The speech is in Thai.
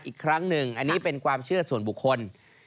อีกครั้งหนึ่งอันนี้เป็นความเชื่อส่วนบุคคล